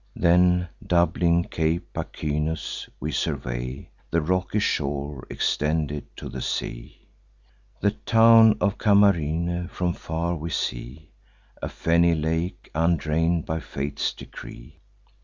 Then, doubling Cape Pachynus, we survey The rocky shore extended to the sea. The town of Camarine from far we see, And fenny lake, undrain'd by fate's decree.